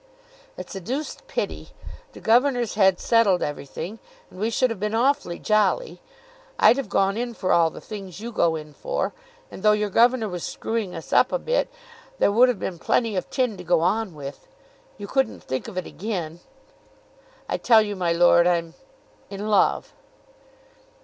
"It's a deuced pity. The governors had settled everything, and we should have been awfully jolly. I'd have gone in for all the things you go in for; and though your governor was screwing us up a bit, there would have been plenty of tin to go on with. You couldn't think of it again?" "I tell you, my lord, I'm in love."